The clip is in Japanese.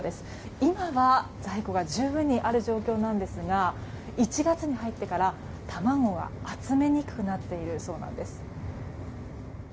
今は在庫が十分にある状況なんですが１月に入ってから、卵が集めにくくなっているそうです。